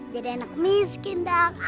jadi anak miskin